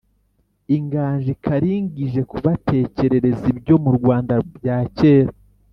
inganji karinga ije kubatekerereza ibyo mu rwanda bya cyera